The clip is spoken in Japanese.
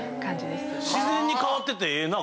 自然に変わっててええな。